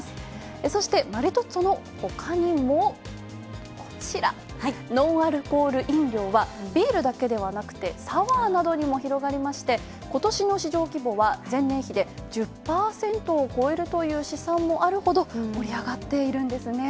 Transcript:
そして、マリトッツォのほかにもノンアルコール飲料はビールだけではなくてサワーなどにも広がりましてことしの市場規模は前年比で１０％を超えるという試算もあるほど盛り上がっているんですね。